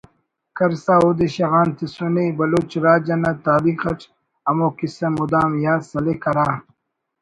کرسا اودے شغان تسنے بلوچ راج انا تاریخ اٹ ہمو کسہ مدام یات سلک ہرا